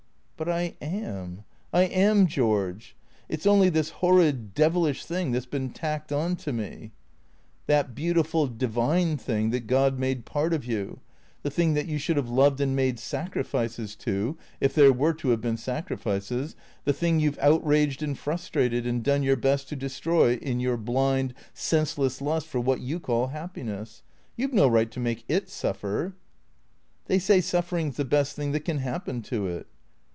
" But I am — I am, George. It 's only this horrid, devilish thing that 's been tacked on to me "" That beautiful, divine thing that God made part of you, the thing that you should have loved and made sacrifices to — if there were to have been sacrifices — the thing you 've outraged and frustrated, and done your best to destroy, in your blind, senseless lust for what you call happiness. You 've no right to make It suffer." " They say suffering 's the best thing that can happen to it."